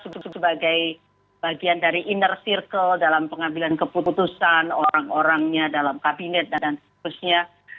sebut sebagai bagian dari inner circle dalam pengambilan keputusan orang orangnya dalam kabinet dan seterusnya